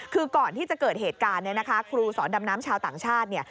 คือก่อนที่จะเกิดเหตุการณ์ครูสอนดำน้ำชาวต่างชาติ